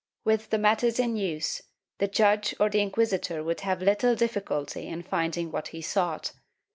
AMth the methods in use, the judge or the inquisitor would have little difficulty in finding what he sought.